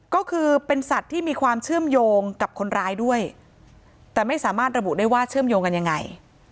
ก็คือเป็นสัตว์ที่มีความเชื่อมโยงกับคนร้ายด้วยแต่ไม่สามารถระบุได้ว่าเชื่อมโยงกันยังไง